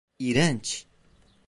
İğrenç.